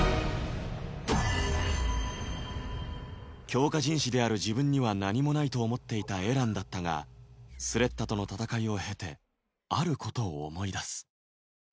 強化人士である自分には何もないと思っていたエランだったがスレッタとの戦いを経てあることを思い出すエランさんエランさん。